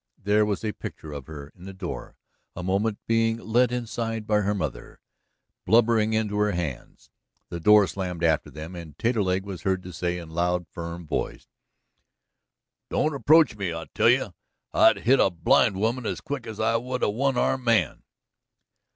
There was a picture of her in the door a moment being led inside by her mother, blubbering into her hands. The door slammed after them, and Taterleg was heard to say in loud, firm voice: "Don't approach me, I tell you! I'd hit a blind woman as quick as I would a one armed man!"